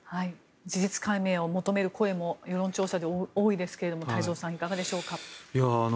事実解明を求める声も世論調査では多いですが太蔵さん、いかがでしょうか。